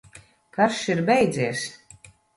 Karš ir beidzies!